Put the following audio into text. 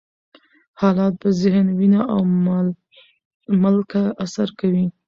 حالات په ذهن، وینه او ملکه اثر کوي.